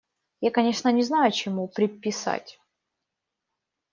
Я, конечно, не знаю, чему приписать.